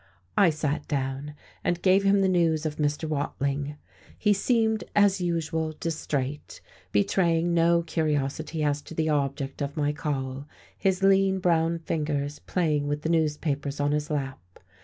I sat down, and gave him the news of Mr. Watling. He seemed, as usual, distrait, betraying no curiosity as to the object of my call, his lean, brown fingers playing with the newspapers on his lap.